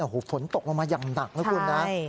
โอ้โหฝนตกมามาอย่างหนักแล้วคุณนะใช่